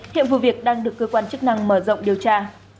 hiện vụ việc đang được cơ quan chức năng mở rộng điều tra